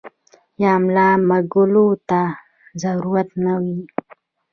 يا ملا مږلو ته ضرورت نۀ وي -